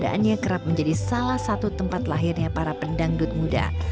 pekerjaannya kerap menjadi salah satu tempat lahirnya para pendangdut muda